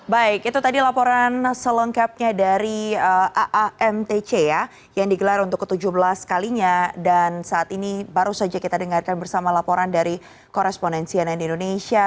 baik itu tadi laporan selengkapnya dari aamtc ya yang digelar untuk ke tujuh belas kalinya dan saat ini baru saja kita dengarkan bersama laporan dari koresponen cnn indonesia